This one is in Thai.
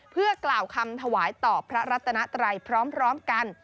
เพื่อกล่าวคำถวายต่อพระรัตนาไตรพร้อมกัน